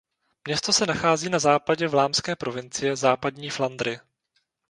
Město se nachází na západě vlámské provincie Západní Flandry.